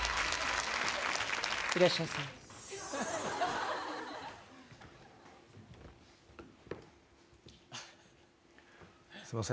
いらっしゃいませ。